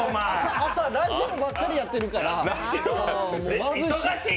朝、ラジオばっかりやってるから、まぶしい。